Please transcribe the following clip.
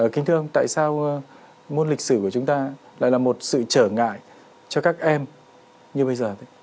kính thưa ông tại sao môn lịch sử của chúng ta lại là một sự trở ngại cho các em như bây giờ